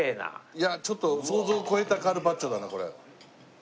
いやちょっと想像を超えたカルパッチョだなこれ。